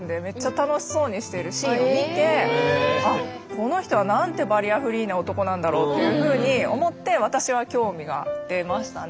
この人はなんてバリアフリーな男なんだろうっていうふうに思って私は興味が出ましたね。